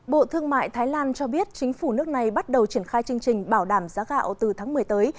bộ thương mại thái lan cho biết chính phủ nước này bắt đầu triển khai chương trình bảo đảm giá gạo từ tháng một mươi tới